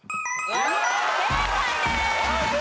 正解です！